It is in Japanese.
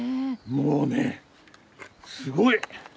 もうねすごい。